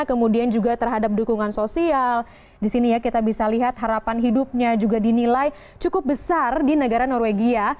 kemudian juga terhadap dukungan sosial disini ya kita bisa lihat harapan hidupnya juga dinilai cukup besar di negara norwegia